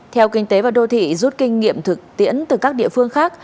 theo kinh tế và đô thị rút kinh nghiệm thực tiễn từ các địa phương khác